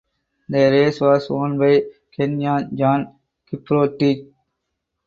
The race was won by Kenyan John Kiprotich.